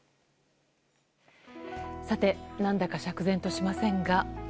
何だか釈然としませんが。